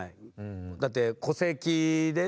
だって戸籍でね